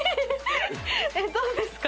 どうですか？